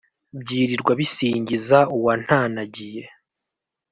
Byirirwa bisingiza uwantanagiye